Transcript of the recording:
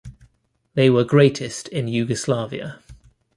They were greatest in Yugoslavia.